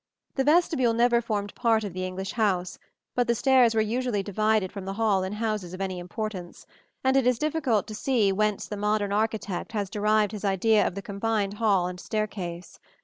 The vestibule never formed part of the English house, but the stairs were usually divided from the hall in houses of any importance; and it is difficult to see whence the modern architect has derived his idea of the combined hall and staircase.